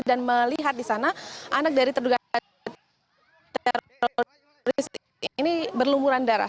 dan melihat di sana anak dari terduga teroris ini berlumuran darah